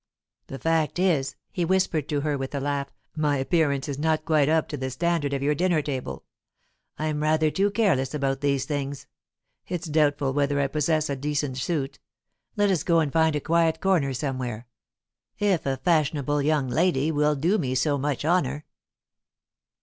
"The fact is," he whispered to her, with a laugh, "my appearance is not quite up to the standard of your dinner table. I'm rather too careless about these things; it's doubtful whether I possess a decent suit. Let us go and find a quiet corner somewhere if a fashionable young lady will do me so much honour."